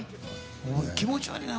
気持ち悪いな。